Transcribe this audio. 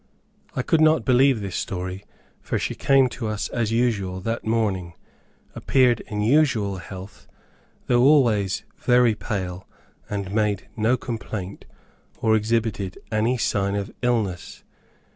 I could not believe this story, for she came to us as usual that morning, appeared in usual health, though always very pale, and made no complaint, or exhibited any signs of illness.